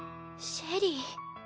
シェリイ。